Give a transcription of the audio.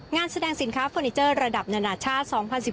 งานแสดงสินค้าเฟอร์นิเจอร์ระดับนานาชาติ๒๐๑๘